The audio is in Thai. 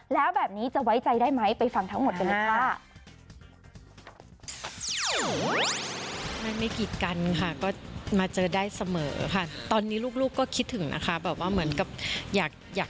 แล้วแบบนี้จะไว้ใจได้ไหมไปฟังทั้งหมดกันเลยค่ะ